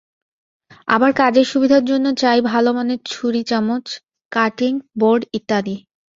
আবার কাজের সুবিধার জন্য চাই ভালো মানের ছুরি-চামচ, কাটিং বোর্ড ইত্যাদি।